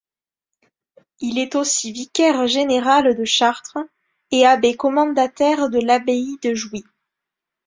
Il est aussi vicaire général de Chartres et abbé commendataire de l'abbaye de Jouy.